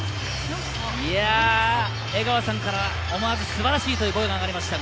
江川さんから素晴らしいという声が上がりました。